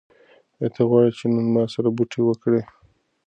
ایا ته غواړې چې نن ما سره بوټي وکرې؟